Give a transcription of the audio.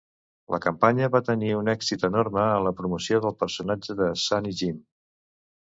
La campanya va tenir un èxit enorme en la promoció del personatge de Sunny Jim.